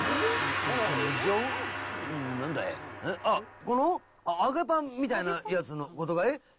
あっこの揚げパンみたいなやつの事かい？